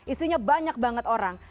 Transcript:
isinya banyak banget orang